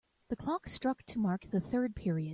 The clock struck to mark the third period.